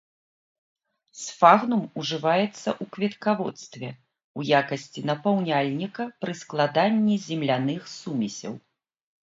Сфагнум ўжываецца ў кветкаводстве ў якасці напаўняльніка пры складанні земляных сумесяў.